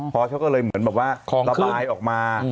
พอสเขาก็เลยเหมือนแบบว่าระบายออกมา